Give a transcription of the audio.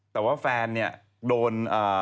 แต่ว่าแฟนเนี่ยโดน